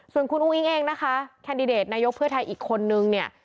ส่วนคุณอุ้งอิ๊งเองนะคะแคนดิเดตนายกเพื่อไทยอีกคนนึงเนี่ย